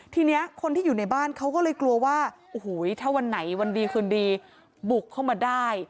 ทีนี้คนที่อยู่ในบ้านเขาก็เลยกลัวว่าโอ้โหถ้าวันไหนวันดีคืนดีบุกเข้ามาได้